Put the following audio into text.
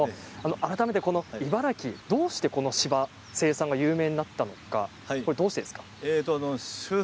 改めて茨城どうして芝の生産が有名になったのかどうしてですか？